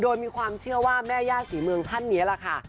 โดยมีความเชื่อว่าแม่ย่าศรีเมืองท่านนี้แหละค่ะ